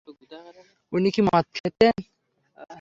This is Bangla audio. উনি কি মদ খেতেন?